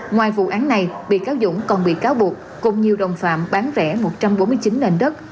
ngoài vụ án này bị cáo dũng còn bị cáo buộc cùng nhiều đồng phạm bán vẽ một trăm bốn mươi chín nền đất